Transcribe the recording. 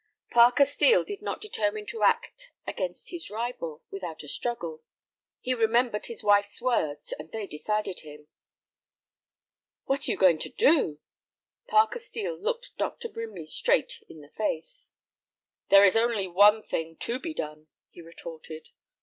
Parker Steel did not determine to act against his rival, without a struggle. He remembered his wife's words, and they decided him. "What are you going to do?" Parker Steel looked Dr. Brimley straight in the face. "There is only one thing to be done," he retorted.